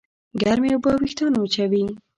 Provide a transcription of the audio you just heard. ګرمې اوبه وېښتيان وچوي.